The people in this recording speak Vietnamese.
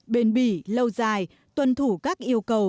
bền bỉ lâu dài tuân thủ các yêu cầu